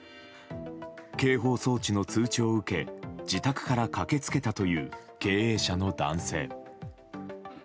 警報装置の通知を受け自宅から駆け付けたという経営者の男性。